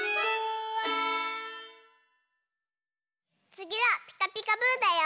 つぎは「ピカピカブ！」だよ！